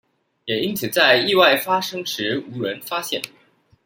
也因此在意外發生時無人發現